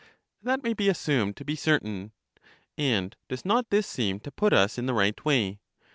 That may be assumed to be certain. And does not this seem to put us in the right way?